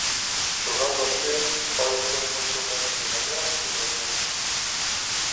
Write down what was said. Xogando así pode ter moito máis que gañar que perder.